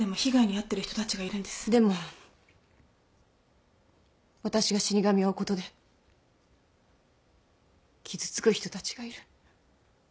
でも私が死神を追うことで傷つく人たちがいる。